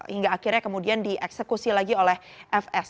hingga akhirnya kemudian dieksekusi lagi oleh fs